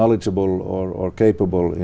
rất lâu rồi